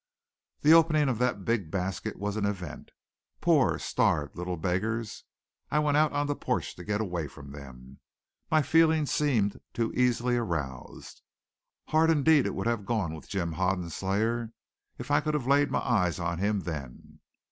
The opening of that big basket was an event. Poor, starved little beggars! I went out on the porch to get away from them. My feelings seemed too easily aroused. Hard indeed would it have gone with Jim Hoden's slayer if I could have laid my eyes on him then.